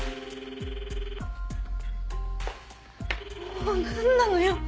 もう何なのよ。